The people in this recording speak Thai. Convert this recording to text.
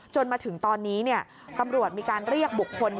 มาถึงตอนนี้ตำรวจมีการเรียกบุคคล